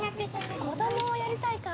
子どもはやりたいか。